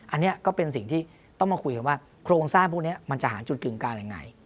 อันนี้ก็เป็นสิ่งที่ต้องมาคุยกันว่าโครงสร้างพวกนี้มันจะหาจุดกึ่งการยังไง